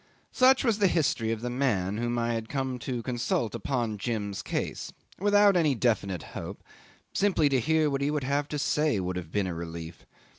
Such was the history of the man whom I had come to consult upon Jim's case without any definite hope. Simply to hear what he would have to say would have been a relief.